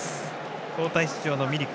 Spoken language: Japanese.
交代出場のミリク。